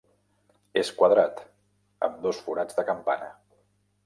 És quadrat, amb dos forats de campana.